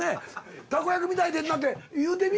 たこ焼きみたいでんなって言うてみ